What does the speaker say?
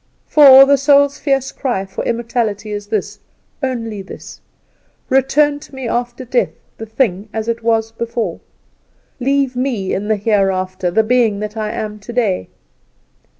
For the soul's fierce cry for immortality is this only this: Return to me after death the thing as it was before. Leave me in the Hereafter the being that I am today.